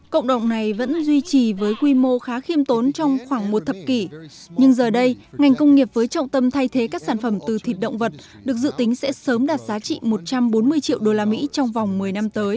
cộng đồng này vẫn duy trì với quy mô khá khiêm tốn trong khoảng một thập kỷ nhưng giờ đây ngành công nghiệp với trọng tâm thay thế các sản phẩm từ thịt động vật được dự tính sẽ sớm đạt giá trị một trăm bốn mươi triệu usd trong vòng một mươi năm tới